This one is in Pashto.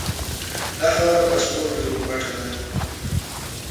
دا خاوره په سرو زرو پټه ده.